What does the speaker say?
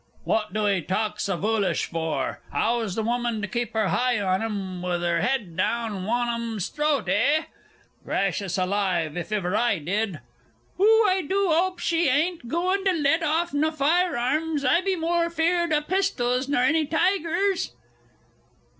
What do 'ee taak so voolish vor? How's th' wumman to kip 'er heye on 'em, with 'er 'ed down wan on 'em's throat, eh?... Gracious alive! if iver I did!... Oh, I do 'ope she bain't gooin' to let off naw fire arms, I be moor fear'd o' pistols nor any tigers....